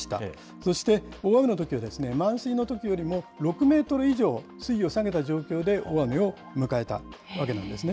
そして大雨のときは満水のときよりも６メートル以上水位を下げた状況で大雨を迎えたわけなんですね。